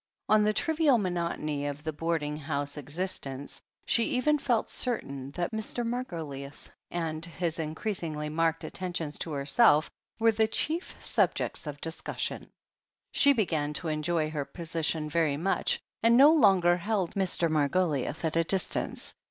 In the trivial monotony of the boarding house exist ence, she even felt certain that Mr. Margoliouth and 159 i6o THE HEEL OF ACHILLES his increasingly marked attentions to l^rself were the chief subjects of discussion. She began to enjoy her position very much, and no longer held Mr. Margoliouth at a distance.